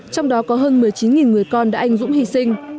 trong đó có hơn một mươi chín người con đã anh dũng hy sinh